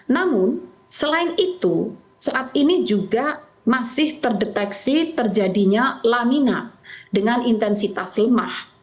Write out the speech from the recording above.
namun selain itu saat ini juga masih terdeteksi terjadinya lanina dengan intensitas lemah